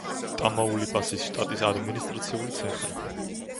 ტამაულიპასის შტატის ადმინისტრაციული ცენტრი.